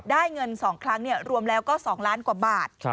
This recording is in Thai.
ได้เงิน๒ครั้งรวมแล้วก็๒ล้านกว่าบาท